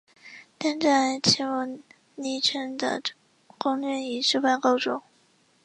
但在骑牟礼城的攻略以失败告终。